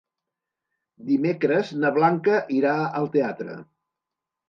Dimecres na Blanca irà al teatre.